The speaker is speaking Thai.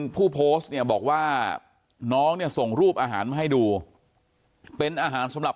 ผู้โพสต์เนี่ยบอกว่าน้องเนี่ยส่งรูปอาหารมาให้ดูเป็นอาหารสำหรับ